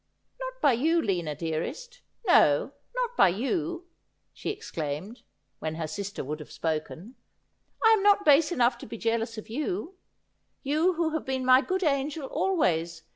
Not by you, Lina dearest : no, not by you,' she exclaimed, when her sister would have spoken. ' I am not base enough to be jealous of you ; you who have been my good angel always.